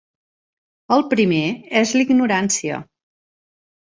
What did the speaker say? El primer és la ignorància.